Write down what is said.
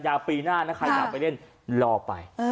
อย่าปีหน้าใครอยากไปเล่นรอไป